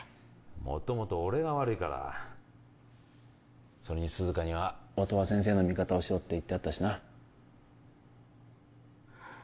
もともと俺が悪いからそれに涼香には音羽先生の味方をしろって言ってあったしな